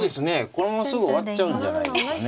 このまますぐ終わっちゃうんじゃないですかね。